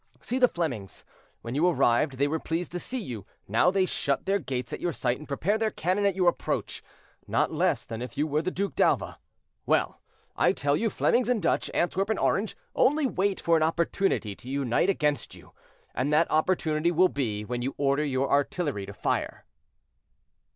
See the Flemings—when you arrived they were pleased to see you; now they shut their gates at your sight, and prepare their cannon at your approach, not less than if you were the Duc d'Alva. Well! I tell you, Flemings and Dutch, Antwerp and Orange, only wait for an opportunity to unite against you, and that opportunity will be when you order your artillery to fire."